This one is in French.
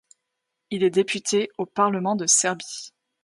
Il est député au Parlement de Serbie.